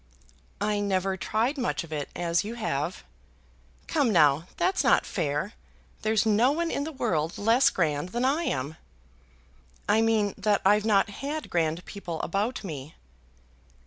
"I never tried much of it, as you have." "Come now; that's not fair. There's no one in the world less grand than I am." "I mean that I've not had grand people about me."